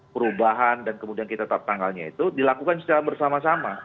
perubahan dan kemudian kita tetap tanggalnya itu dilakukan secara bersama sama